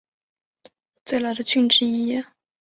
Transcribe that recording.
桑莫塞郡为美国最老的郡之一。